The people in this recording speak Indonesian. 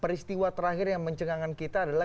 peristiwa terakhir yang mencengangkan kita adalah